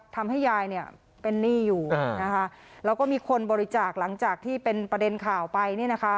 ทำให้ยายเนี่ยเป็นหนี้อยู่นะคะแล้วก็มีคนบริจาคหลังจากที่เป็นประเด็นข่าวไปเนี่ยนะคะ